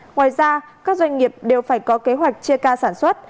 ngoài ra các doanh nghiệp đều phải có kế hoạch chia ca sản xuất